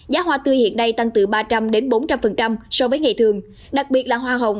giá hoa tươi hiện nay tăng từ ba trăm linh bốn trăm linh so với ngày thường đặc biệt là hoa hồng